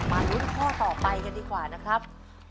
ลุ้นข้อต่อไปกันดีกว่านะครับ